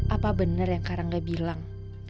apa benar yang karangga bilang